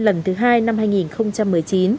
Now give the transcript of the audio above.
lần thứ hai năm hai nghìn một mươi chín